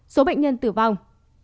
số bệnh nhân tử vong